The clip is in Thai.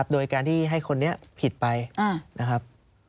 โดยการที่ให้คนนี้ผิดไปนะครับ